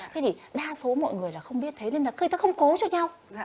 thế thì đa số mọi người là không biết thế nên là người ta không cố cho nhau